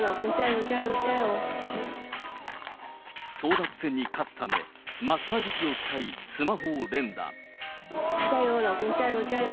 争奪戦に勝つため、マッサージ器を使い、スマホを連打。